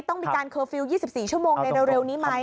ต้องมีการเคอร์ฟิลล์๒๔ชั่วโมงในเร็วนี้ไหม